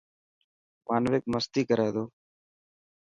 مانوڪ مستي ڪر تو.